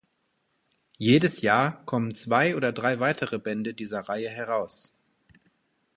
Jedes Jahr kommen zwei oder drei weitere Bände dieser Reihe heraus.